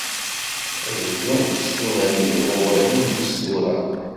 Bdu s unadi n wawalen n tsura.